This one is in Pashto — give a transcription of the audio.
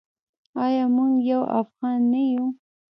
آیا موږ یو افغان نه یو؟